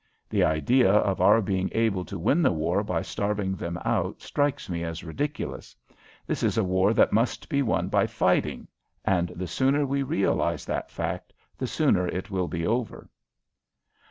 The idea of our being able to win the war by starving them out strikes me as ridiculous. This is a war that must be won by fighting, and the sooner we realize that fact the sooner it will be over.